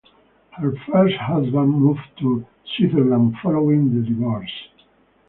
Her first husband moved to Switzerland following the divorce.